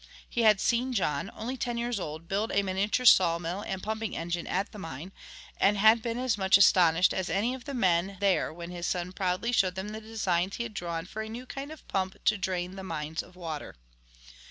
He had seen John, only ten years old, build a miniature sawmill and pumping engine at the mine, and had been as much astonished as any of the men there when his son proudly showed them the designs he had drawn for a new kind of pump to drain the mines of water.